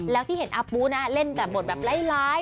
แล้วที่เห็นอาปุโน่เล่นบทแบบไร้